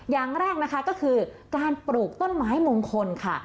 อย่างแรกนะคะก็คือการปลูกต้นไม้มงคลค่ะ